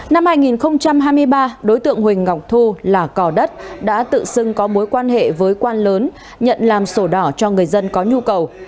năm hai nghìn hai mươi ba đối tượng huỳnh ngọc thu là cò đất đã tự xưng có mối quan hệ với quan lớn nhận làm sổ đỏ cho người dân có nhu cầu